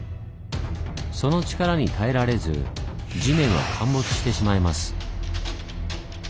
その力に耐えられず地面は陥没してしまいます。